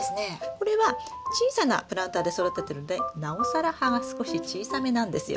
これは小さなプランターで育ててるんでなおさら葉が少し小さめなんですよ。